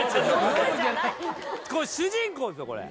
主人公ですよこれ。